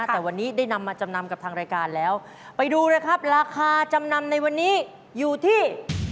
แต่วันนี้ได้นำมาจำนำกับทางรายการแล้วไปดูนะครับราคาจำนำในวันนี้อยู่ที่